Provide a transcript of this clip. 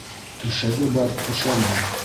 Түшәге бар түшәнер